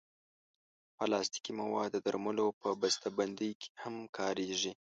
پلاستيکي مواد د درملو په بستهبندۍ کې هم کارېږي.